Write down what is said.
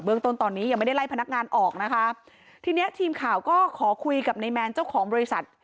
ต้นตอนนี้ยังไม่ได้ไล่พนักงานออกนะคะทีเนี้ยทีมข่าวก็ขอคุยกับนายแมนเจ้าของบริษัท